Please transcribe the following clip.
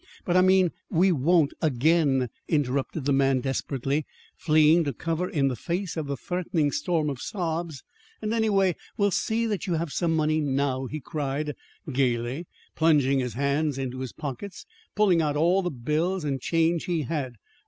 But I mean, we won't again," interrupted the man desperately, fleeing to cover in the face of the threatening storm of sobs. "And, anyhow, we'll see that you have some money now," he cried gayly, plunging his hands into his pockets, and pulling out all the bills and change he had.